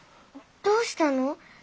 どうしたの？